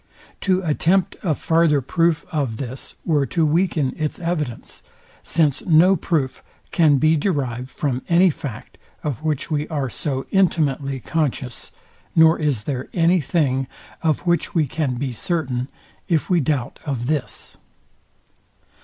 To attempt a farther proof of this were to weaken its evidence; since no proof can be derived from any fact, of which we are so intimately conscious; nor is there any thing, of which we can be certain, if we doubt of this.